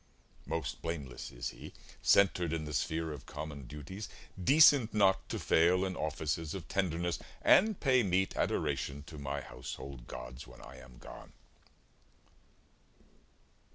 Most blameless is he, centred in the sphere Of common duties, decent not to fail In offices of tenderness, and pay Meet adoration to my household gods, When I am gone.